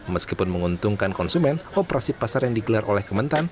meskipun menguntungkan konsumen operasi pasar yang digelar oleh kementan